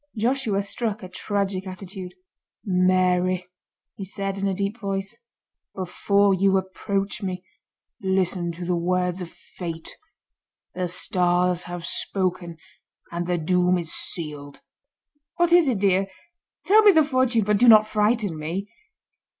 Joshua struck a tragic attitude. "Mary," he said in a deep voice, "before you approach me, listen to the words of Fate. The Stars have spoken and the doom is sealed." "What is it, dear? Tell me the fortune, but do not frighten me."